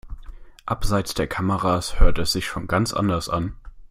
Abseits der Kameras hörte es sich schon ganz anders an.